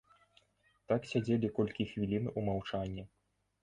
Так сядзелі колькі хвілін у маўчанні.